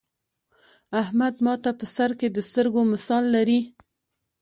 احمد ماته په سر کې د سترگو مثال لري.